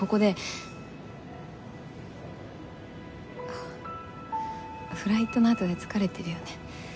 あっフライトのあとで疲れてるよね。